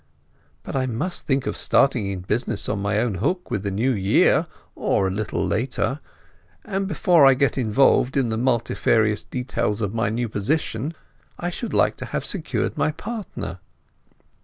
"But I must think of starting in business on my own hook with the new year, or a little later. And before I get involved in the multifarious details of my new position, I should like to have secured my partner."